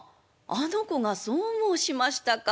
あの子がそう申しましたか。